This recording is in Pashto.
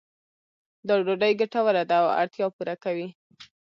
دا ډوډۍ ګټوره ده او اړتیا پوره کوي.